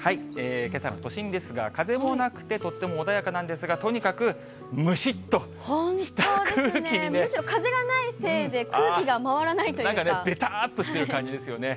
けさの都心ですが、風もなくてとっても穏やかなんですが、とにかくむしっとした空気むしろ風がないせいで、なんか、べたーっとしてる感じですよね。